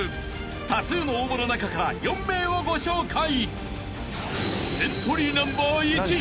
［多数の応募の中から４名をご紹介］